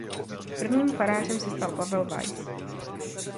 Prvním farářem se stal Pavel Weiss.